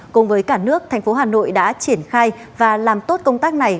cùng với cả nước thành phố hà nội đã triển khai và làm tốt công tác này